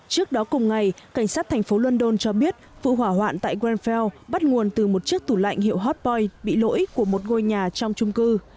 trước đó cùng ngày cảnh sát thành phố london cho biết vụ hỏa hoạn tại grenfell bắt nguồn từ một chiếc tủ lạnh hiệu hot boy bị lỗi của một ngôi nhà trong chung cư